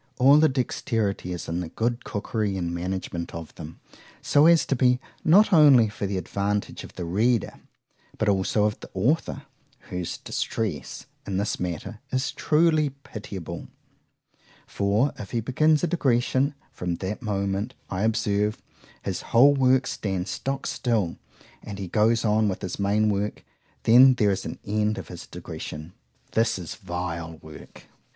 All the dexterity is in the good cookery and management of them, so as to be not only for the advantage of the reader, but also of the author, whose distress, in this matter, is truly pitiable: For, if he begins a digression,—from that moment, I observe, his whole work stands stock still;—and if he goes on with his main work,—then there is an end of his digression. ——This is vile work.